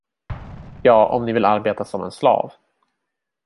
Ja, om ni vill arbeta som en slav.